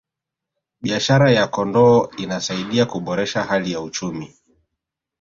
biashara ya kondoo inasaidia kuboresha hali ya uchumi